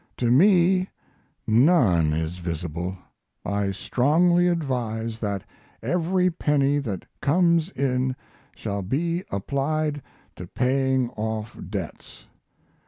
To me none is visible. I strongly advise that every penny that comes in shall be applied to paying off debts.